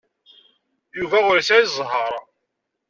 Yuba ur yesɛi zzheṛ.